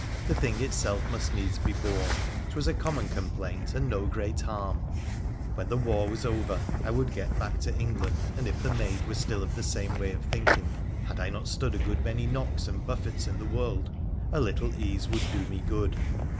the thing itself must needs be borne ; 'twas a common com plaint, and no great harm ; when the war was over, I would get back to England, and, if the maid were still of the same way of thinking — had I not stood a good many knocks and buffets in the world ?— a little ease would do me good.